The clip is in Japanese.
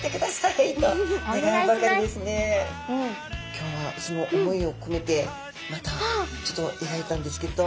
今日はその思いをこめてまたちょっとえがいたんですけれど。